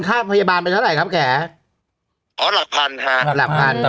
ฆ่าพยาบาลเป็นอะไรครับแกอ๋อหลักพันค่ะหลักพันแต่